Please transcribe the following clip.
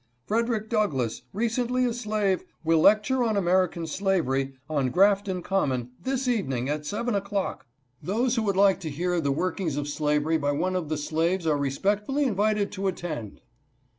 Frederick Douglass, recently a slave, will lecture on American Slavery, on Grafton Common, this evening, at 7 o'clock. Those who would like to hear of the workings of slavery by one of the slaves are respect fully invited to attend."